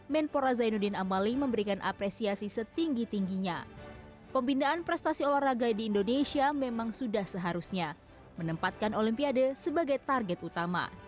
menpora zainuddin amali memberikan apresiasi setinggi tingginya pembinaan prestasi olahraga di indonesia menurut windy ini adalah kemampuan untuk mendapatkan kepentingan dari pemain dan pelatih yang berada di indonesia